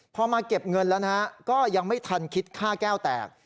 พอมาเก็บเงินแล้วนะฮะก็ยังไม่ทันคิดค่าแก้วแตก